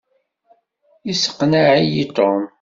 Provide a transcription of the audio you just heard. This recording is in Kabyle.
Yesseqneɛ-iyi Tom.